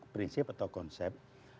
prinsip atau konsep